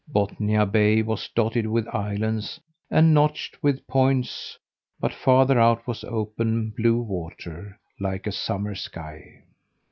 Bothnia Bay was dotted with islands and notched with points, but farther out was open, blue water, like a summer sky.